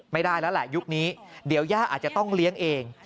ไม่ได้แล้วแหละยุคนี้เดี๋ยวย่าอาจจะต้องเลี้ยงเอง